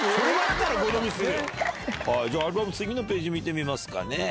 じゃあアルバム次のページ見てみますかね。